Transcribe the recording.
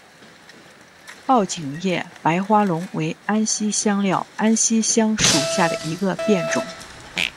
抱茎叶白花龙为安息香科安息香属下的一个变种。